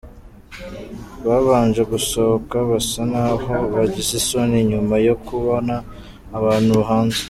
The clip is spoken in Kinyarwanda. Babanje gusohOka basa naho bagize isoni nyuma yo kubona abantu hanze.